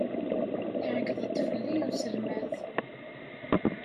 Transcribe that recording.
Iɛeyyeḍ-d fell-i uselmad.